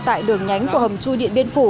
tại đường nhánh của hầm chui điện biên phủ